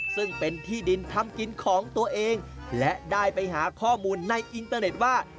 ซึ่งเป็นที่ดินทำกินของตัวเองและได้ไปหาข้อมูลในอินเตอร์เน็ตว่า